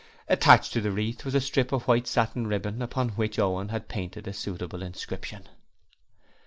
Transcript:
Attached to the wreath was a strip of white satin ribbon, upon which Owen had painted a suitable inscription.